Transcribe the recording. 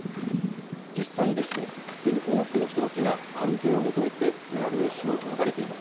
実際にすでに多くの人たちが、安全を求めてベラルーシを逃れています。